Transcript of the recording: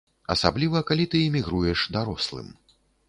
Асабліва калі ты імігруеш дарослым.